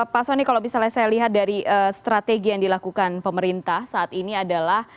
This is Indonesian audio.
pak soni kalau misalnya saya lihat dari strategi yang dilakukan pemerintah saat ini adalah